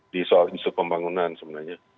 di soal isu pembangunan sebenarnya